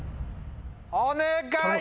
お願い！